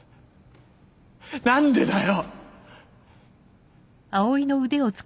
何でだよ